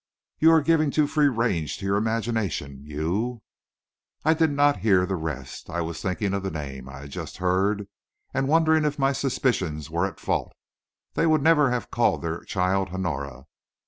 "You are giving too free range to your imagination. You " I did not hear the rest. I was thinking of the name I had just heard, and wondering if my suspicions were at fault. They would never have called their child Honora.